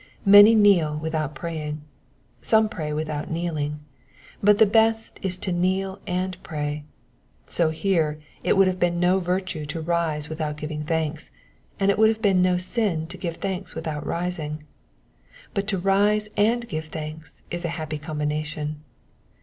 Many kneel without praying, some pray without kneeling ; but the best is to kneel and pray : so here, it would have been no virtue to rise without giving thanks, and it would have been no sin to give thanks without rising ; but to rise and give thanks is a happy combina tion.